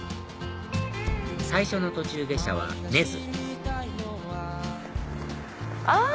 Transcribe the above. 最初の途中下車は根津あ！